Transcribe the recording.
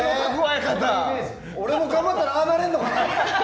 俺も頑張ったらああなれるかな？